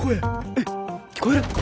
えっ聞こえる？